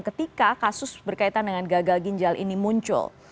ketika kasus berkaitan dengan gagal ginjal ini muncul